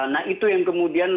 nah itu yang kemudian